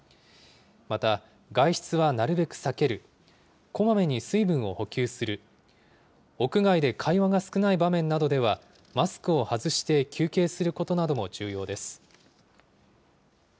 また、外出はなるべく避ける、こまめに水分を補給する、屋外で会話が少ない場面などでは、マスクを外して休憩することなども重要です。